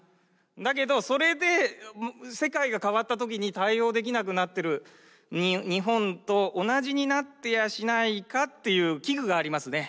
だけどそれで世界が変わった時に対応できなくなってる日本と同じになってやしないかっていう危惧がありますね。